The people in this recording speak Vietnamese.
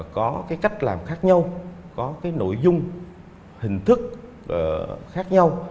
có cách làm khác nhau có nội dung hình thức khác nhau